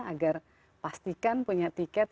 agar pastikan punya tiket